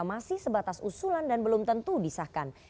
masih sebatas usulan dan belum tentu disahkan